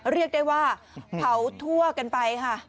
เรียกได้ว่าเผาทั่วกันไปค่ะ